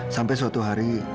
sampai suatu hari